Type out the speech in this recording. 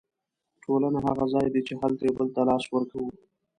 ټولنه هغه ځای دی چې هلته یو بل ته لاس ورکوو.